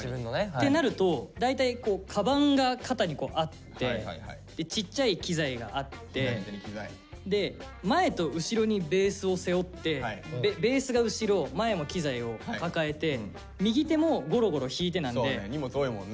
ってなると大体かばんが肩にあってでちっちゃい機材があってで前と後ろにベースを背負ってベースが後ろ前も機材を抱えて右手もゴロゴロ引いてなんでだからあの日はなるほど。